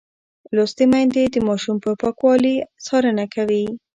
لوستې میندې د ماشوم پر پاکوالي څارنه کوي.